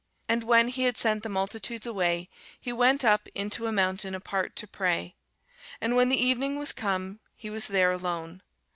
And when he had sent the multitudes away, he went up into a mountain apart to pray: and when the evening was come, he was there alone.